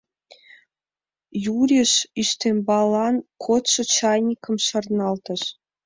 — Юриш ӱстембалан кодшо чайникым шарналтыш.